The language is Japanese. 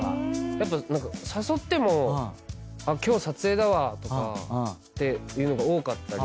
やっぱ誘っても「今日撮影だわ」とかっていうのが多かったり。